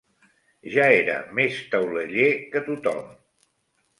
Ja era més tauleller que tot-hom.